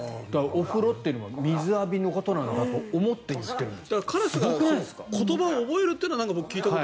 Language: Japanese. お風呂というのは水浴びのことだと思って思って言ってるんです。